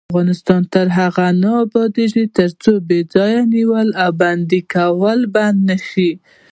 افغانستان تر هغو نه ابادیږي، ترڅو بې ځایه نیول او بندي کول بند نشي.